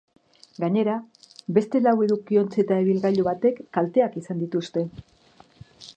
Gainera, beste lau edukiontzi eta ibilgailu batek kalteak izan dituzte.